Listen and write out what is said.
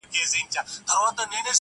• چي یې تاب د هضمېدو نسته وجود کي,